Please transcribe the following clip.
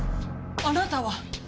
あなたは！